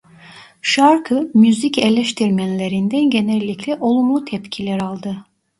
Şarkı müzik eleştirmenlerinden genellikle olumlu tepkiler aldı.